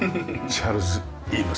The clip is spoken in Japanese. チャールズ・イームズ。